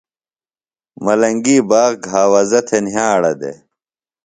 ملنگی باغ گھاوزہ تھے نھیاڑہ دے۔